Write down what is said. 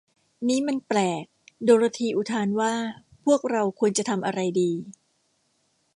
นี้มันแปลก โดโรธีอุทานว่า พวกเราควรจะทำอะไรดี